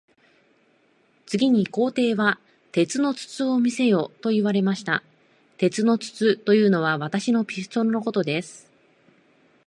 次に皇帝は、鉄の筒を見せよと言われました。鉄の筒というのは、私のピストルのことです。